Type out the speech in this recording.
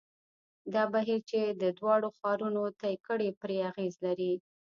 دا بهیر چې دواړو ښارونو طی کړې پرې اغېز لري.